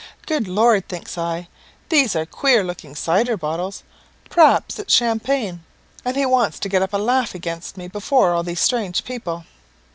'Good Lord!' thinks I, 'these are queer looking cider bottles. P'raps it's champagne, and he wants to get up a laugh against me before all these strange people.'